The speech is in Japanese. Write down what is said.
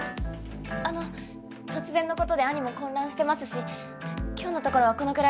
あの突然の事で義兄も混乱してますし今日のところはこのくらいで。